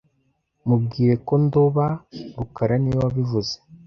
Mubwire ko ndoba rukara niwe wabivuze